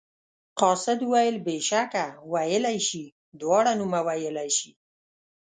قاصد وویل بېشکه ویلی شي دواړه نومه ویلی شي.